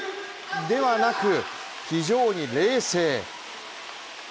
ではなく、非常に冷静。